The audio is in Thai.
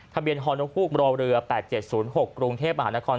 ทะเบียนฮภูกร์บเรือ๘๗๐๖กรุงเทพฯมหานคร